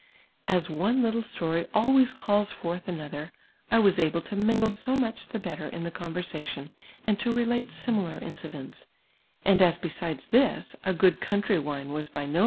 As one little story always calls forth another, I was able to mingle so much the better in the conversation, and to relate similar incidents, and as, besides this, a good coimtry wine was by no S7C TEUin AXD roETRY; rnoM my own life.